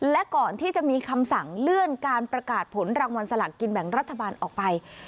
และก่อนที่จะมีคำสั่งเลื่อนการประกาศผลรางวัลสลากกินแบ่งรัฐบาลออกไป